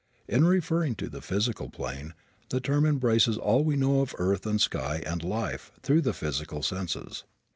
In referring to the physical plane the term embraces all we know of earth and sky and life through the physical senses.